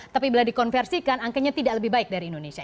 tapi bila dikonversikan angkanya tidak lebih baik dari indonesia